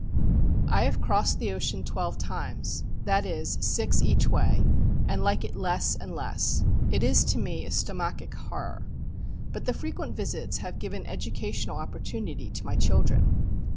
I have crossed the ocean twelve times, that is six each way, and like it less and less. It is to me a stomachic horror. But the frequent visits have given educational opportunity to my children.